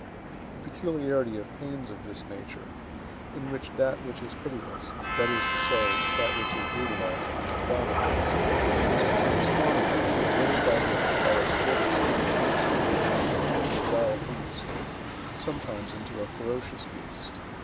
The peculiarity of pains of this nature, in which that which is pitiless—that is to say, that which is brutalizing—predominates, is to transform a man, little by little, by a sort of stupid transfiguration, into a wild beast; sometimes into a ferocious beast.